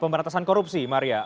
pemberantasan korupsi maria